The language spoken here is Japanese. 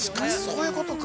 そういうことか。